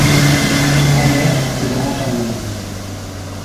Amer, il rentre à Londres.